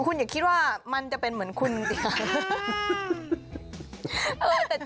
คุณอย่าคิดว่ามันจะเป็นเหมือนคุณสิคะ